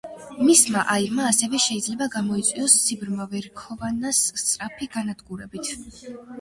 მისმა აირმა ასევე შეიძლება გამოიწვიოს, სიბრმავე რქოვანას სწრაფი განადგურებით.